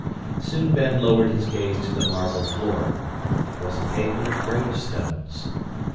Soon Ben lowered his gaze to the marble floor. It was a pavement of gravestones.